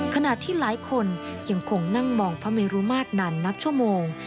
ขณะที่หลายคนยังคงนั่งมองพระเมรุมาตรนานนับชั่วโมง